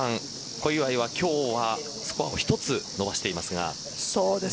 小祝は今日はスコアを１つ伸ばしていますが。